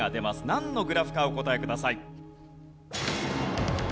なんのグラフかお答えください。